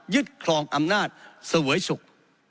ครองอำนาจเสวยฉุก